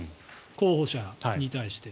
候補者に対して。